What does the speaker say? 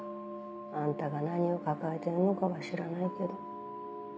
あんたが何を抱えてるのかは知らないけど。